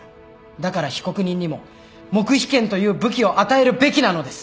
だから被告人にも黙秘権という武器を与えるべきなのです。